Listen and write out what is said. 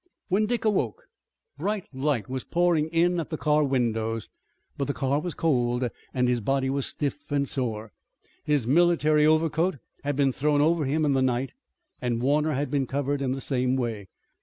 When Dick awoke, bright light was pouring in at the car windows, but the car was cold and his body was stiff and sore. His military overcoat had been thrown over him in the night and Warner had been covered in the same way.